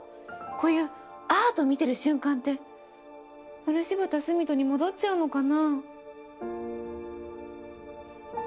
こういうアート見てる瞬間って漆畑澄人に戻っちゃうのかな？